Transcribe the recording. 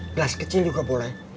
gelas kecil juga boleh